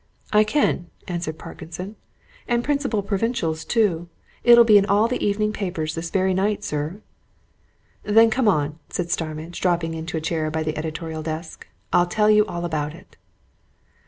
"I can," answered Parkinson. "And principal provincials, too. It'll be in all the evening papers this very night, sir." "Then come on," said Starmidge, dropping into a chair by the editorial desk. "I'll tell you all about it."